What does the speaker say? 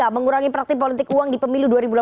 mengurangi praktik politik uang di pemilu dua ribu dua puluh